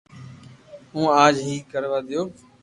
ھين آج ھي ڪروا ديو